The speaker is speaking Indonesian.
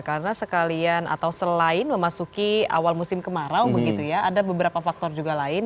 karena sekalian atau selain memasuki awal musim kemarau begitu ya ada beberapa faktor juga lain